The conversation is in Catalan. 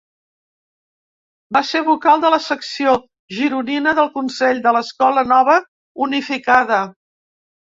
Va ser vocal de la secció gironina del Consell de l'Escola Nova Unificada.